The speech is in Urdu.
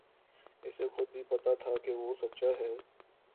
اسے خود بھی پتہ تھا کہ وہ سچا ہے